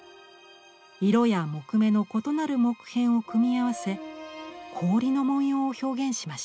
色や木目の異なる木片を組み合わせ氷の文様を表現しました。